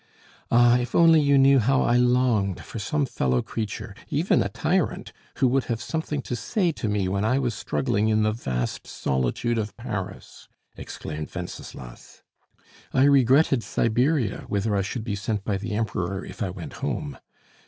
"Ah, if only you knew how I longed for some fellow creature, even a tyrant, who would have something to say to me when I was struggling in the vast solitude of Paris!" exclaimed Wenceslas. "I regretted Siberia, whither I should be sent by the Emperor if I went home.